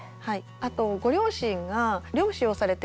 あとご両親が漁師をされていた。